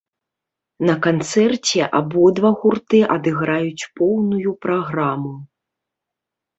На канцэрце абодва гурты адыграюць поўную праграму.